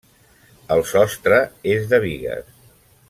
El sostre és de bigues.